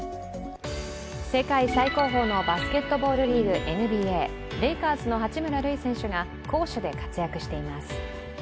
世界最高峰のバスケットボールリーグＮＢＡ、レイカーズの八村塁選手が攻守で活躍しています。